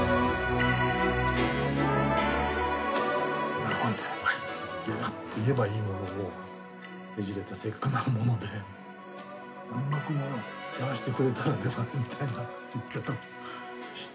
喜んで「はいやります」って言えばいいものをねじれた性格なもので「音楽もやらせてくれたら出ます」みたいな言い方をしてですね。